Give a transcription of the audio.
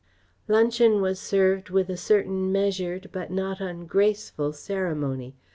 Luncheon was served with a certain measured but not ungraceful ceremony.